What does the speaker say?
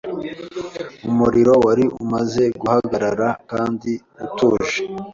Umuriro wari umaze guhagarara kandi utuje